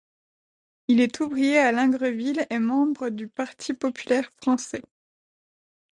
Il est ouvrier à Lingreville et membre du Parti populaire français.